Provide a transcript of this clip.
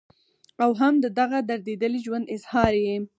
او هم د دغه درديدلي ژوند اظهار ئې